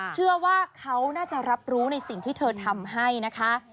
เชื่อว่าเขาน่าจะรับรู้ในสิ่งที่เธอทำให้นะคะ